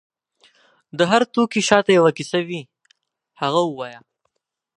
د هر توکي شاته یو کیسه وي، هغه ووایه.